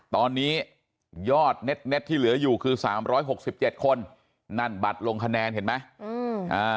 ตอนนี้ยอดเน็ตที่เหลืออยู่คือ๓๖๗คนนั่นบัตรลงคะแนนเห็นไหม